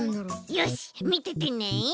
よしみててね！